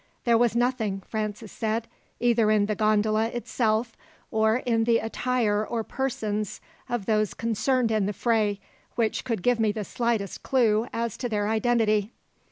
"There was nothing," Francis said, "either in the gondola itself, or in the attire or persons of those concerned in the fray, which could give me the slightest clue as to their identity."